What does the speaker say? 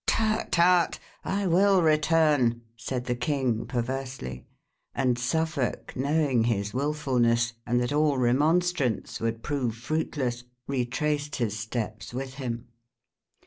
"Tut, tut! I will return," said the king perversely. And Suffolk, knowing his wilfulness, and that all remonstrance would prove fruitless, retraced his steps with him.